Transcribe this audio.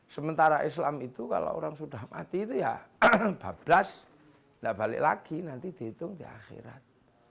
sementara islam itu kalau orang sudah mati itu ya bablas tidak balik lagi nanti dihitung di akhirat